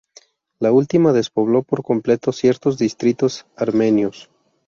La última despobló por completo ciertos distritos armenios.